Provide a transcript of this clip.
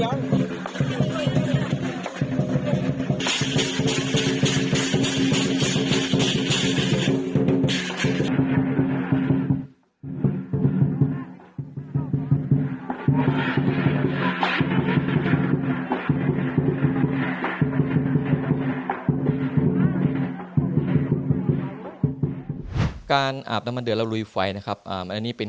ใจการอาบน้ำดเดือร์แล้วลุยไฟนะครับอ่าอันนี้เป็น